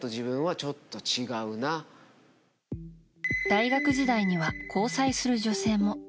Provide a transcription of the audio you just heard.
大学時代には交際する女性も。